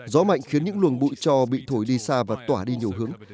gió mạnh khiến những luồng bụi cho bị thổi đi xa và tỏa đi nhiều hướng